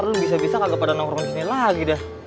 ntar lu bisa bisa gak kepadanya orang disini lagi dah